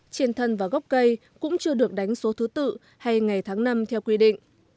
trên thân và gốc cây cũng chưa được đánh số thứ tự hay ngày tháng năm theo quy định